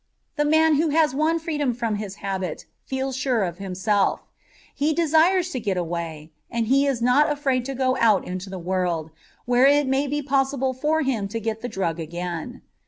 The man who has won freedom from his habit feels sure of himself; he desires to get away, and he is not afraid to go out into the world, where it may be possible for him to get the drug again.